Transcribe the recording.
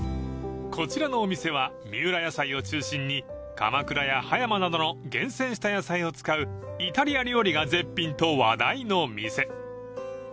［こちらのお店は三浦野菜を中心に鎌倉や葉山などの厳選した野菜を使うイタリア料理が絶品と話題の店］